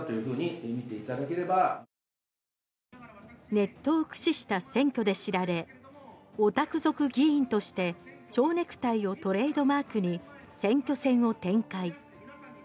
ネットを駆使した選挙で知られオタク族議員として蝶ネクタイをトレードマークに選挙戦を展開。